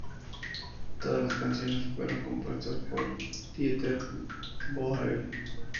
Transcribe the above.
Todas las canciones fueron compuestas por Dieter Bohlen.